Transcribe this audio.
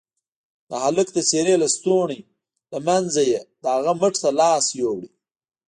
د هلك د څيرې لستوڼي له منځه يې د هغه مټ ته لاس يووړ.